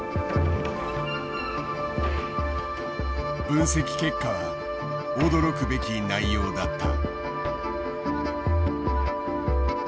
分析結果は驚くべき内容だった。